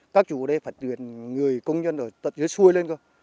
các chủ ở đây phải tuyệt người công nhân ở tận dưới xuôi lên